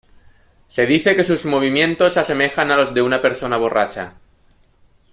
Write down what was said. Se dice que sus movimientos se asemejan a los de una persona borracha.